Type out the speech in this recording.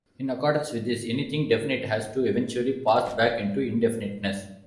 In accordance with this, anything definite has to eventually pass back into indefiniteness.